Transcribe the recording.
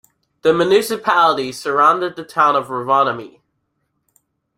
The municipality surrounded the town of Rovaniemi.